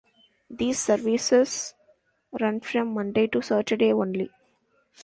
These services run from Monday to Saturday only.